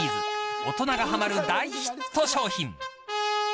大人がはまる大ヒット商品。